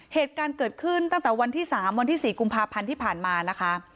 เหตุการณ์เกิดขึ้นตั้งแต่วันที่๓วันที่๔กุมภาพันธ์ที่ผ่านมานะคะ